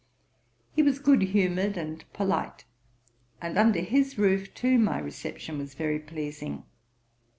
He was good humoured and polite; and under his roof too my reception was very pleasing.